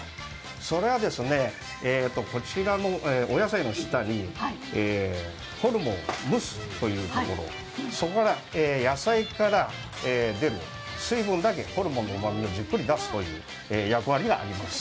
それはこちらのお野菜の下にホルモンを蒸すというところ、そこから野菜から出る水分だけでホルモンのうまみをじっくり出すという役割があります。